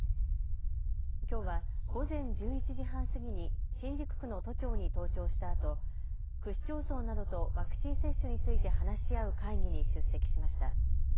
きょうは午前１１時半過ぎに新宿区の都庁に登庁したあと区市町村などとワクチン接種について話し合う会議に出席しました。